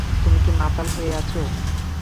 তুমি কি মাতাল হয়ে আছো?